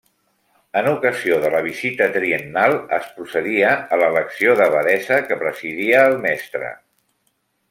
En ocasió de la visita triennal es procedia a l'elecció d'abadessa, que presidia el mestre.